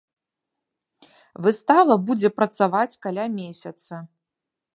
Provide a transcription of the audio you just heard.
Выстава будзе працаваць каля месяца.